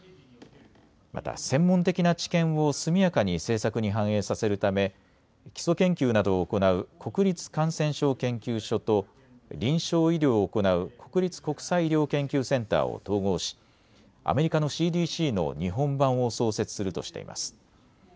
また専門的な知見を速やかに政策に反映させるため基礎研究などを行う国立感染症研究所と臨床医療を行う国立国際医療研究センターを統合しアメリカのＣＤＣの日本版を創設するとしています。